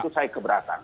itu saya keberatan